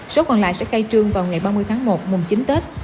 số còn lại sẽ khai trương vào ngày ba mươi tháng một mùng chín tết